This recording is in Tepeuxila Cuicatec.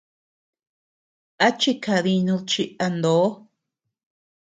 ¿A chikadinud chi a ndo?